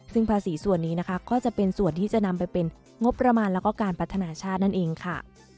ซึ่งภาษีส่วนนี้นะคะก็จะเป็นส่วนที่จะนำไปเป็นงบประมาณแล้วก็การพัฒนาชาตินั่นเองค่ะ